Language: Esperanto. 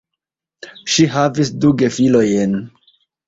Ŝi havis du gefilojn.